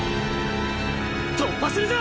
突破するぞ！